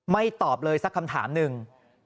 ตอบเลยสักคำถามหนึ่ง